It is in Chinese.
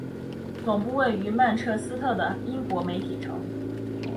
总部位于曼彻斯特的英国媒体城。